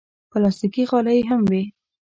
پلاستيکي غالۍ هم وي.